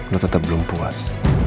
lo tetep belum puas